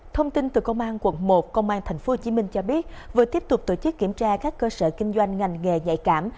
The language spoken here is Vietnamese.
thông tin từ công an quận một công an tp hcm cho biết vừa tiếp tục tổ chức kiểm tra các cơ sở kinh doanh ngành nghề nhạy cảm